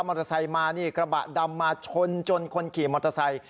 เตอร์ไซค์มานี่กระบะดำมาชนจนคนขี่มอเตอร์ไซค์